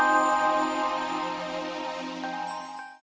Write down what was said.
nanti malem mau traweh